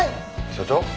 署長？